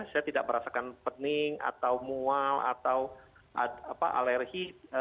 saya tidak merasakan pening atau mual atau alergi